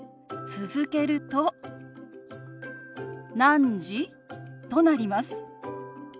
続けると「何時？」となります。